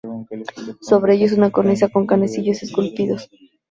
Sobre ellos, una cornisa con canecillos esculpidos.